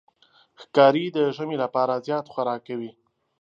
ښکاري د ژمي لپاره زیات خوراک کوي.